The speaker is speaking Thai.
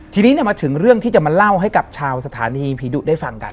ทีนี้มาถึงเรื่องที่จะมาเล่าให้กับชาวสถานีผีดุได้ฟังกัน